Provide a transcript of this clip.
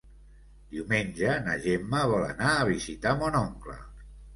Diumenge na Gemma vol anar a visitar mon oncle.